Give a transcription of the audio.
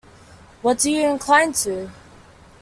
What do you incline to?